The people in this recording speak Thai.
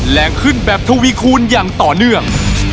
แรงขึ้นแบบทวีคูณอย่างต่อเนื่อง